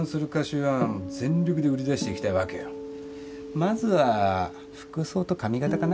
まずは服装と髪形かな。